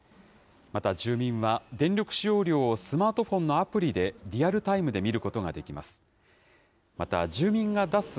また住民は、電力使用量をスマートフォンのアプリでリアルタイムで見ることができます。